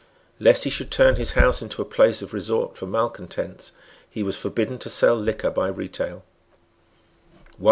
Lest he should turn his house into a place of resort for malecontents, he was forbidden to sell liquor by retail.